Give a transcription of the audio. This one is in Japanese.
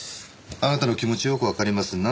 「あなたの気持ちよくわかります」